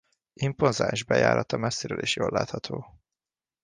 Impozáns bejárata messziről is jól látható.